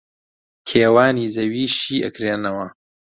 کێوانی زەوی شی ئەکرێنەوە